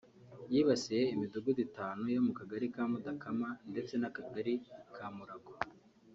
yibasiye imidugudu itanu yo mu kagali ka Mudakama ndetse n’akagali ka Murago